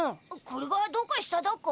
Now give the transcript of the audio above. これがどうかしただか？